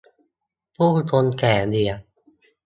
ผู้คงแก่เรียน